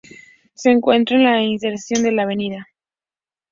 Se encuentra en la intersección de la Av.